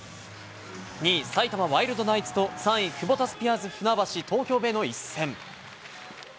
２位埼玉ワイルドナイツと、３位クボタスピアーズ船橋・東京ベイの一戦。